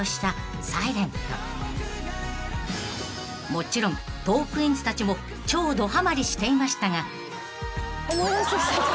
［もちろんトークィーンズたちも超ドハマりしていましたが］